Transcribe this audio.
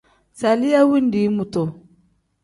Zaliya wendii mutu.